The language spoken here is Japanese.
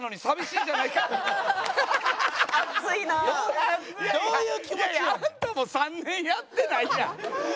いやいやあんたも３年やってないやん。